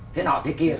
thế nọ thế kia